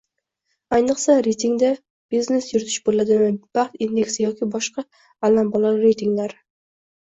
Ayniqsa reytingda! "Biznes yuritish" bo'ladimi, "Baxt indeksi" yoki boshqa allambalo reytinglari